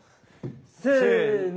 せの。